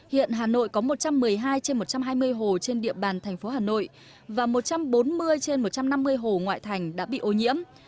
hiện hà nội có một trăm một mươi hai trên một trăm hai mươi hồ trên địa bàn thành phố hà nội và một trăm bốn mươi trên một trăm năm mươi hồ ngoại thành đã bị ô nhiễm